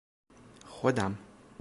خودم